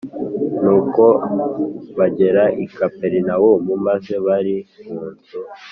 Nuko bagera i Kaperinawumu maze bari mu nzu